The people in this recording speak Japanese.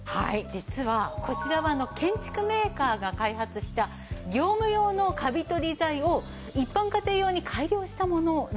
実はこちらは建築メーカーが開発した業務用のカビ取り剤を一般家庭用に改良したものなんです。